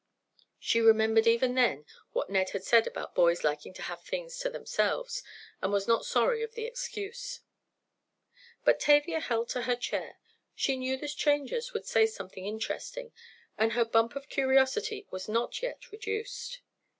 She remembered even then what Ned had said about boys liking to have things to themselves, and was not sorry of the excuse. But Tavia held to her chair. She knew the strangers would say something interesting, and her "bump" of curiosity was not yet reduced.